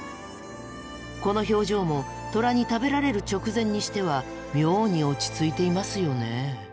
この表情もトラに食べられる直前にしては妙に落ち着いていますよね。